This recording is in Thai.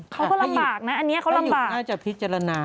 เขาก็ลำบากนะอันนี้เขาลำบากน่าจะพิจารณา